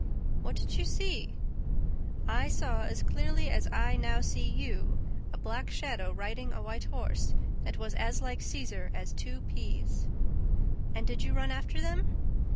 "What did you see?" "I saw, as clearly as I now see you, a black shadow riding a white horse that was as like Cesar as two peas!" "And did you run after them?"